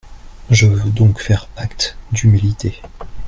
Je veux donc faire acte d’humilité